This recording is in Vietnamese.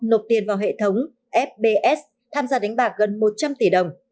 nộp tiền vào hệ thống fbs tham gia đánh bạc gần một trăm linh tỷ đồng